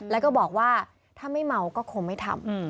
แล้วก็บอกว่าถ้าไม่เมาก็คงไม่ทำ